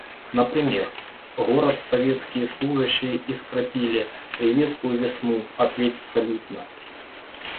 Например: город советские служащие искрапили, приветствуй весну, ответь салютно!